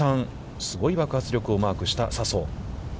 すごい爆発力をマークした笹生。